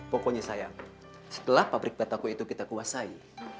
pokoknya sayang setelah pabrik kata gue itu kita kuasai